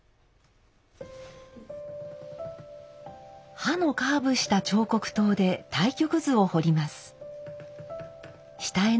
刃のカーブした彫刻刀で太極図を彫ります。